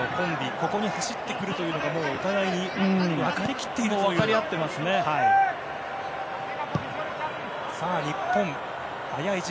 ここに走ってくるというのがもうお互いに分かり切っているという。